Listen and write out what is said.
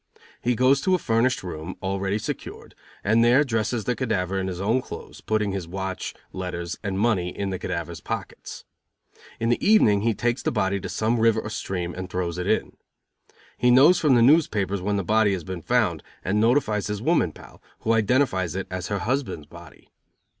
He goes to a furnished room, already secured, and there dresses the cadaver in his own clothes, putting his watch, letters and money in the cadavers pockets. In the evening he takes the body to some river or stream and throws it in. He knows from the newspapers when the body has been found, and notifies his woman pal, who identifies it as her husband's body.